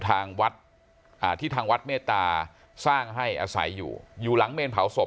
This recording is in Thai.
ทางวัดที่ทางวัดเมตตาสร้างให้อาศัยอยู่อยู่หลังเมนเผาศพ